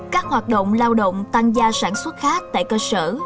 các hoạt động lao động tăng gia sản xuất khác tại cơ sở